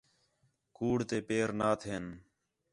کُوڑ تے پیر نا تھئین